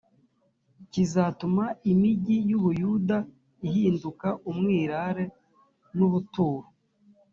kizatuma imigi y’u buyuda ihinduka umwirare n’ubuturo